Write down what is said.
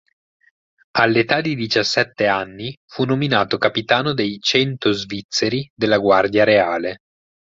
All'età di diciassette anni fu nominato capitano dei Cento Svizzeri della Guardia Reale.